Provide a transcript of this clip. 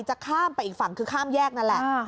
จะข้ามไปอีกฝั่งคือข้ามแยกนั่นแหละ